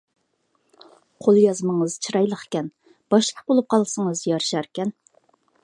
قول يازمىڭىز چىرايلىقكەن، باشلىق بولۇپ قالسىڭىز يارىشاركەن.